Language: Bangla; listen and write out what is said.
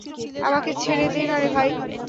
আমাকে ছেড়ে দে নারে ভাই।